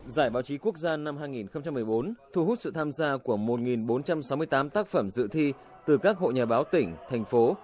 giải báo chí quốc gia năm hai nghìn một mươi bốn thu hút sự tham gia của một bốn trăm sáu mươi tám tác phẩm dự thi từ các hội nhà báo tỉnh thành phố